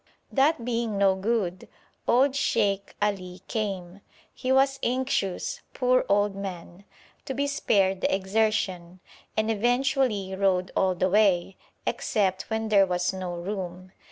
That being no good, old Sheikh Ali came. He was anxious, poor old man, to be spared the exertion, and eventually rode all the way, except when there was no room.